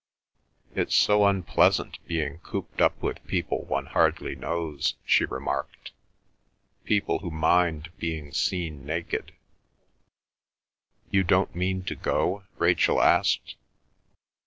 "It's so unpleasant, being cooped up with people one hardly knows," she remarked. "People who mind being seen naked." "You don't mean to go?" Rachel asked.